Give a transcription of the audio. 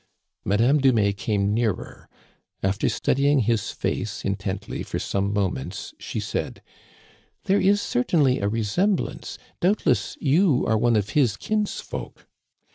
Madame Dumais came nearer. After studying his face intently for some moments, she said ;" There is certainly a resemblance. Doubtless you are one of his kinsfolk.